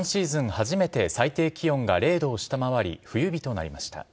初めて最低気温が０度を下回り冬日となりました。